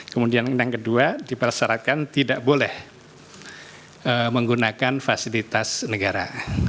kemudian yang kedua dipersyaratkan tidak boleh menggunakan fasilitas negara